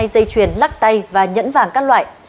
hai mươi hai dây chuyền lắc tay và nhẫn vàng các loại